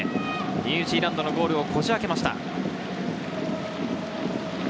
ニュージーランドのゴールをこじあけました。